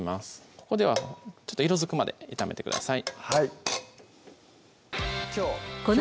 ここでは色づくまで炒めてください